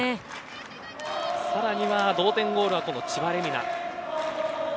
さらには同点ゴールはこの千葉玲海菜。